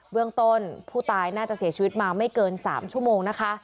เรื่องต้นผู้ตายน่าจะเสียชีวิตมาไม่เกิน๓ชั่วโมงนะคะ